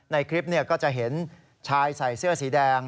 ในคลิปก็จะเห็นชายใส่เสื้อสีแดง